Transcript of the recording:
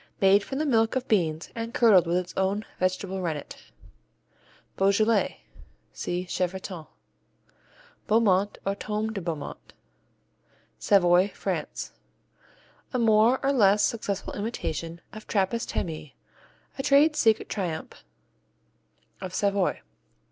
Made from the milk of beans and curdled with its own vegetable rennet. Beaujolais see Chevretons. Beaumont, or Tome de Beaumont Savoy, France A more or less successful imitation of Trappist Tamie, a trade secret triumph of Savoy.